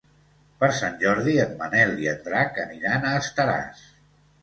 Per Sant Jordi en Manel i en Drac aniran a Estaràs.